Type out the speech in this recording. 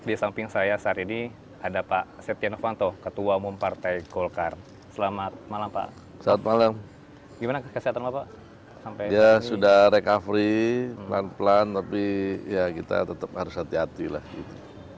jadi pelan pelan tapi ya kita tetap harus hati hati lah gitu